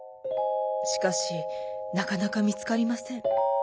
しかしなかなかみつかりません。